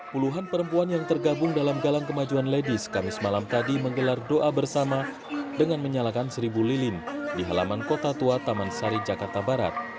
puluhan perempuan yang tergabung dalam galang kemajuan ladis kamis malam tadi menggelar doa bersama dengan menyalakan seribu lilin di halaman kota tua taman sari jakarta barat